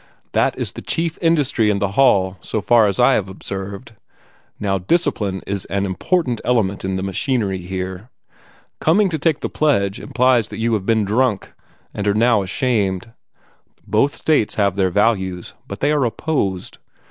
That is the chief industry in the hall, so far as I have observed. Now discipline is an important element in the machinery here. Coming to take the pledge implies that you have been drunk and are now ashamed. Both states have their values, but they are opposed.